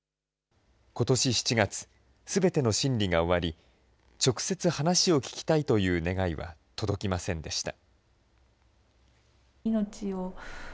ことし７月、すべての審理が終わり、直接話を聞きたいという願いは届きませんでした。